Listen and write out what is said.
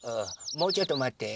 もうちょっとまって。